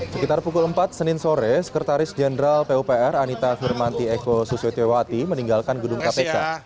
sekitar pukul empat senin sore sekretaris jenderal pupr anita firmanti eko susewati meninggalkan gedung kpk